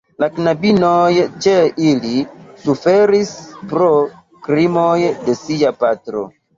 La knabinoj ĉe ili suferis pro krimoj de sia patro.